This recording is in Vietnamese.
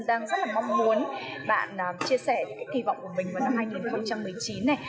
đang rất là mong muốn bạn chia sẻ những cái kỳ vọng của mình vào năm hai nghìn một mươi chín này